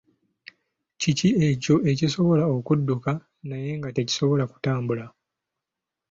Kiki ekyo ekisobola okudduka naye nga tekisobola kutambula?